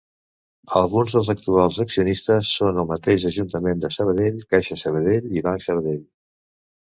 Alguns dels actuals accionistes són el mateix Ajuntament de Sabadell, Caixa Sabadell i Banc Sabadell.